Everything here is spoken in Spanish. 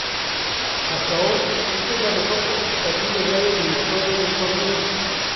Hasta hoy, esta es la mejor participación de Gales en la historia del torneo.